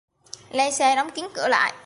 Lên xe đóng kín cửa lại